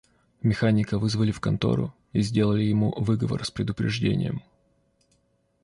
Механика вызвали в контору и сделали ему выговор с предупреждением.